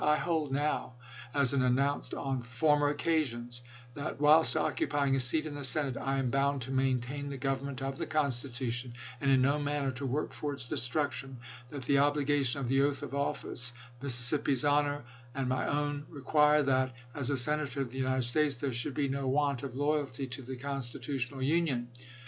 I hold now, as an nounced on former occasions, that whilst occupying a seat in the Senate I am bound to maintain the Govern ment of the Constitution, and in no manner to work for its destruction ; that the obligation of the oath of office, Mississippi's honor and my own, require that, as a Sena tor of the United States, there should be no want of loyalty to the Constitutional Union.